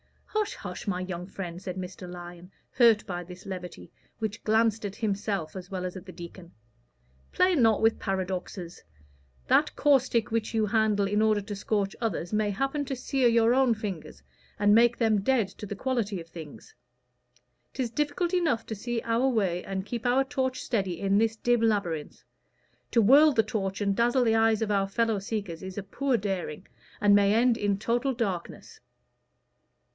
"Hush, hush, my young friend," said Mr. Lyon, hurt by this levity, which glanced at himself as well as at the deacon. "Play not with paradoxes. That caustic which you handle in order to scorch others, may happen to sear your own fingers and make them dead to the quality of things. 'Tis difficult enough to see our way and keep our torch steady in this dim labyrinth: to whirl the torch and dazzle the eyes of our fellow seekers is a poor daring, and may end in total darkness.